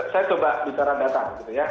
saya coba bicara data gitu ya